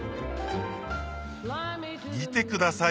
見てください